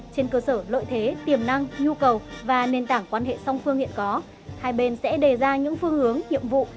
trên cơ sở lợi thế tiềm năng nhu cầu và nền tảng quan hệ song phương hiện có hai bên sẽ đề ra những phương hướng nhiệm vụ